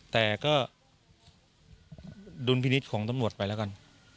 แต่ก็ดุลพินิษฐ์ของตำรวจไปแล้วกัน